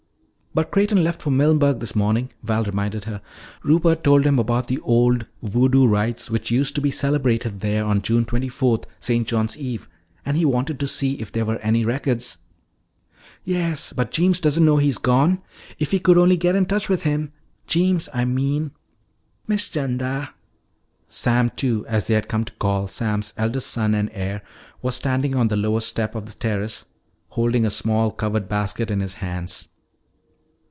"But Creighton left for Milneburg this morning," Val reminded her. "Rupert told him about the old voodoo rites which used to be celebrated there on June 24th, St. John's Eve, and he wanted to see if there were any records " "Yes. But Jeems doesn't know he's gone. If we could only get in touch with him Jeems, I mean." "Miss 'Chanda!" Sam Two, as they had come to call Sam's eldest son and heir, was standing on the lowest step of the terrace, holding a small covered basket in his hands.